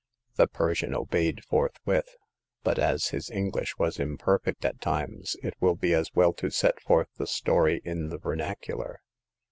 The Persian obeyed forthwith ; but, as his English was imperfect at times, it will be as well to set forth the story in the vernacular.